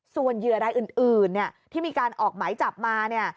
ส่วนเหยื่อรายอื่นที่มีการออกหมายจับมาเนี่ย